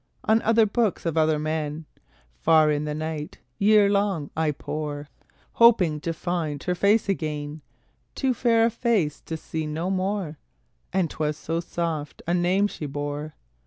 On other books of other men, Far in the night, year long, I pore, Hoping to find her face again, Too fair a face to see no more And 'twas so soft a name she bore.